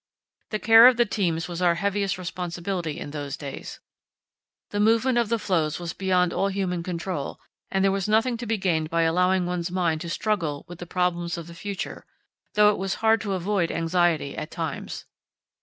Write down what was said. The care of the teams was our heaviest responsibility in those days. The movement of the floes was beyond all human control, and there was nothing to be gained by allowing one's mind to struggle with the problems of the future, though it was hard to avoid anxiety at times.